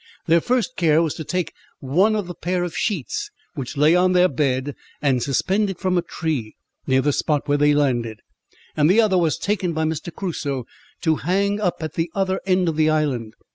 Their first care was to take one of the pair of sheets which lay on their bed, and suspend it from a tree near the spot where they landed; and the other was taken by Mr. Crusoe, to hang up at the other end of the island.